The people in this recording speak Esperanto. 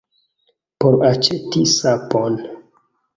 Por aĉeti sapon.